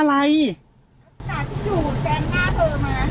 ฉันจะอยู่แบบหน้าเธอมา